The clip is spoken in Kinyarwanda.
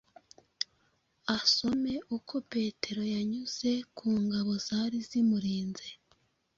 asome uko Petero yanyuze ku ngabo zari zimurinze,